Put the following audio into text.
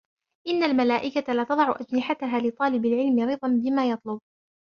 إنَّ الْمَلَائِكَةَ لَتَضَعُ أَجْنِحَتَهَا لِطَالِبِ الْعِلْمِ رِضًا بِمَا يَطْلُبُ